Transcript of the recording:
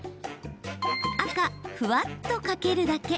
赤・ふわっとかけるだけ。